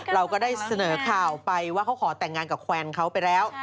เราก็ได้เสนอข่าวไปว่าเขาขอแต่งงานกับแควร์เขาไปแล้ว